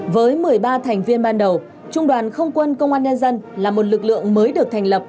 với một mươi ba thành viên ban đầu trung đoàn không quân công an nhân dân là một lực lượng mới được thành lập